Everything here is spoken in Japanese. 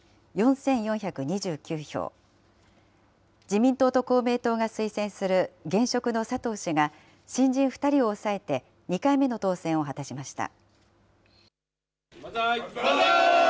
自民党と公明党が推薦する現職の佐藤氏が新人２人を抑えて２回目の当選を果たしました。